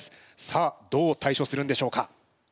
さあどう対処するんでしょうか？